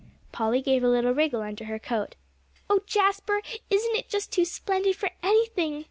Polly gave a little wriggle under her coat. "Oh, Jasper, isn't it just too splendid for anything!"